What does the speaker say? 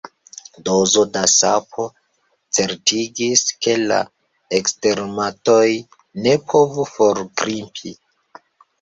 Dozo da sapo certigis, ke la ekstermatoj ne povu forgrimpi.